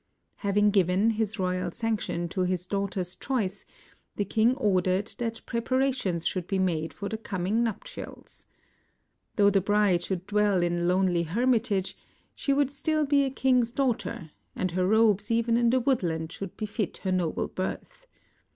Having given his royal sanction to his daughter's choice, the king ordered that preparations should be made for the coming nuptials. Though the bride should dwell in a lonely hermitage, she would still be a king's daughter, and her robes even in the woodland should befit her noble birth.